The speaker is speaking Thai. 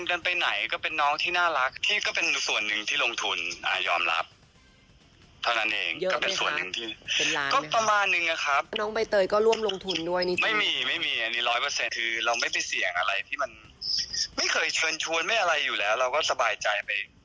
อะไรที่มันไม่เคยเชิญชวนไม่อะไรอยู่แล้วเราก็สบายใจไป๙๕